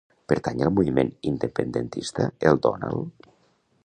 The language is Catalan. Pertany al moviment independentista el Donald?